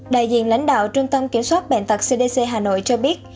đại diện lãnh đạo trung tâm kiểm soát bệnh tật cdc hà nội cho biết